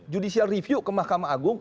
judicial review ke mahkamah agung